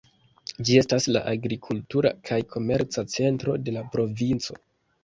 Ĝi estas la agrikultura kaj komerca centro de la provinco.